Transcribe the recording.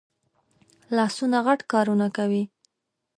لاسونه غټ کارونه کوي